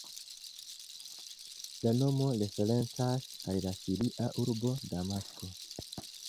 La nomo referencas al la siria urbo Damasko.